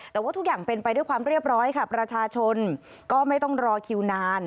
แต่ว่าทุกอย่างเป็นไปด้วยความเรียบร้อยค่ะประชาชนก็ไม่ต้องรอคิวนาน